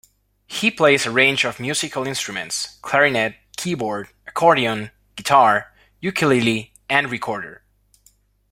He plays a range of musical instruments; clarinet, keyboard, accordion, guitar, ukulele and recorder.